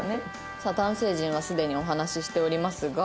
さあ男性陣はすでにお話ししておりますが。